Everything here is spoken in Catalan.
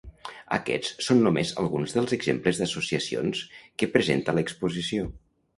Aquests són només alguns dels exemples d’associacions que presenta l’exposició.